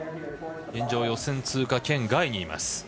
現状は予選通過圏外にいます